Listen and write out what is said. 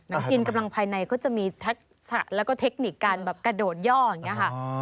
จีนกำลังภายในก็จะมีทักษะแล้วก็เทคนิคการแบบกระโดดย่ออย่างนี้ค่ะ